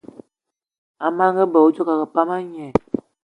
Amage bè odjo akengì pam a ngné.